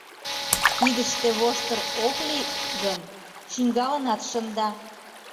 Кидыште воштыр ок лий гын, чӱҥгалынат шында.